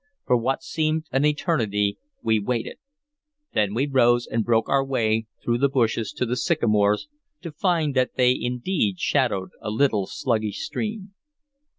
For what seemed an eternity, we waited; then we rose and broke our way through the bushes to the sycamores, to find that they indeed shadowed a little sluggish stream.